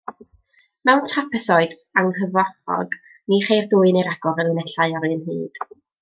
Mewn trapesoid anghyfochrog, ni cheir dwy neu ragor o linellau o'r un hyd.